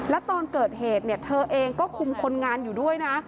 แล้วตอนเกิดเหตุเธอเองก็คุมคนงานอยู่ด้วยนะ